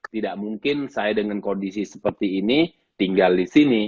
tidak mungkin saya dengan kondisi seperti ini tinggal disini